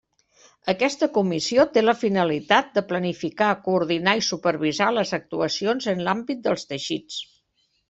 Aquesta Comissió té la finalitat de planificar, coordinar i supervisar les actuacions en l'àmbit dels teixits.